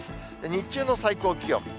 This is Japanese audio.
日中の最高気温。